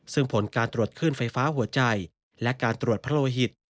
ซึ่งผลการตรวจขึ้นไฟฟ้าหัวใจและการตรวจพระโลหิต